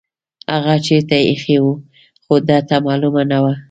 هغه چیرته ایښې وه خو ده ته معلومه نه وه.